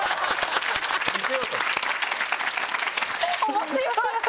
面白い！